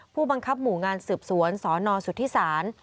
ผู้บังคับหมู่งานสืบสวนสนสุธิศาล